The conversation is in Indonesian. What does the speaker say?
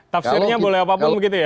tafsirnya boleh apapun begitu ya